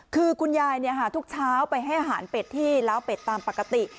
คือคุณยายทุกเช้าไปให้อาหารเป็ดที่ล้าวเป็ดตามปกติ